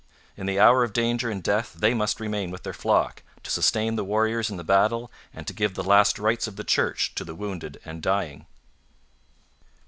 In the hour of danger and death they must remain with their flock, to sustain the warriors in the battle and to give the last rites of the Church to the wounded and dying.